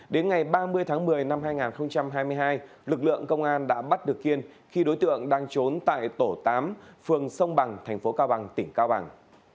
đến ngày ba mươi tháng một mươi năm hai nghìn hai mươi hai lực lượng công an đã bắt được kiên khi đối tượng đang trốn tại tổ tám phường sông bằng thành phố cao bằng tỉnh cao bằng